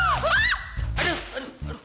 aduh aduh aduh